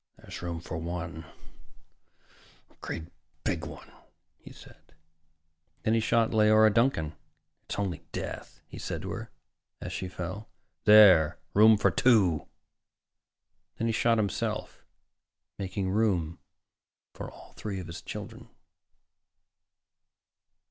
"There's room for one a great big one," he said. And then he shot Leora Duncan. "It's only death," he said to her as she fell. "There! Room for two." And then he shot himself, making room for all three of his children.